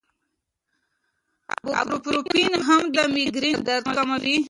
ایبوپروفین هم د مېګرین درد کموي.